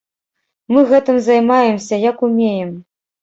Мы гэтым займаемся, як умеем.